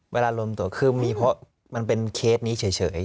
เวลารวมตัวคือมีเพราะมันเป็นเคสนี้เฉย